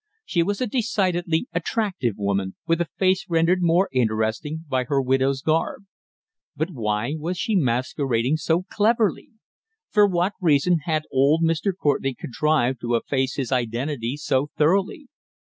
She was a decidedly attractive woman, with a face rendered more interesting by her widow's garb. But why was she masquerading so cleverly? For what reason had old Courtenay contrived to efface his identity so thoroughly?